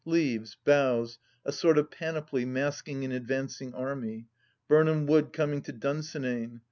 Leaves, boughs, a sort of panoply masking an advancing army ! Birnam Wood coming to Dunsinane